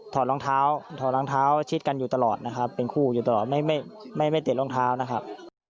รองเท้าถอดรองเท้าชิดกันอยู่ตลอดนะครับเป็นคู่อยู่ตลอดไม่ไม่ติดรองเท้านะครับ